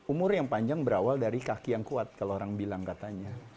umur yang panjang berawal dari kaki yang kuat kalau orang bilang katanya